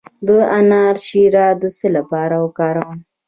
د انار شیره د څه لپاره وکاروم؟